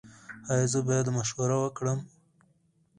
ایا زه باید مشوره ورکړم؟